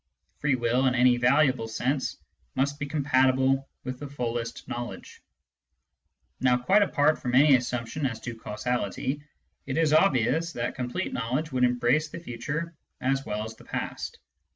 Free will in any valuable sense must be compatible with the fullest knowledge. Now, quite apart from any assumption as to causality, it is obvious that complete knowledge would embrace the future as well as the past.